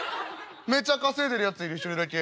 めっちゃ稼いでるやついる１人だけ。